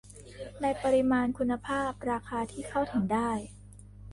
ในปริมาณ คุณภาพ ราคาที่เข้าถึงได้